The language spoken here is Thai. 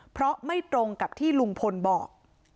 เพราะไม่ตรงกับที่ลุงพลบอก